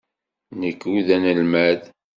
Nekk ur d anelmad.